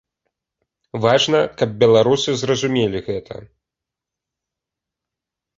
Важна, каб беларусы зразумелі гэта.